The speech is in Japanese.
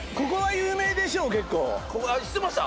知ってました？